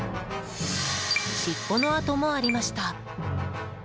尻尾の跡もありました。